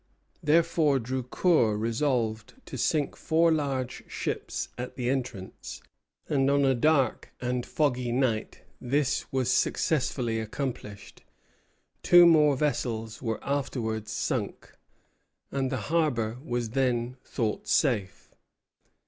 Therefore Drucour resolved to sink four large ships at the entrance; and on a dark and foggy night this was successfully accomplished. Two more vessels were afterwards sunk, and the harbor was then thought safe.